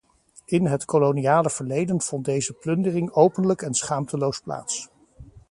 In het koloniale verleden vond deze plundering openlijk en schaamteloos plaats.